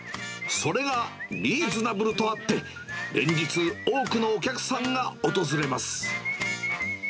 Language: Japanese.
それがリーズナブルとあって、連日、多くのお客さんが訪れます。